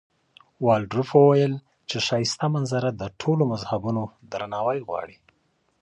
والډروف وویل چې ښایسته منظره د ټولو مذهبونو درناوی غواړي.